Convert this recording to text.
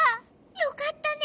よかったね。